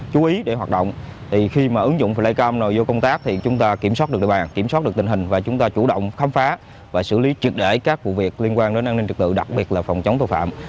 chú ý để hoạt động thì khi mà ứng dụng flycam nội vô công tác thì chúng ta kiểm soát được địa bàn kiểm soát được tình hình và chúng ta chủ động khám phá và xử lý triệt để các vụ việc liên quan đến an ninh trực tự đặc biệt là phòng chống tội phạm